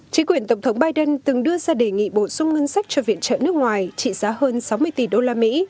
chính quyền tổng thống biden từng đưa ra đề nghị bổ sung ngân sách cho viện trợ nước ngoài trị giá hơn sáu mươi tỷ usd